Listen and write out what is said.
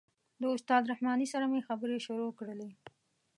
د استاد رحماني سره مې خبرې شروع کړلې.